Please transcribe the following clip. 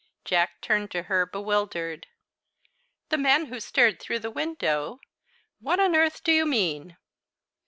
Jack turned to her, bewildered. "The man who stared through the window? What on earth do you mean?"